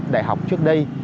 đại học trước đây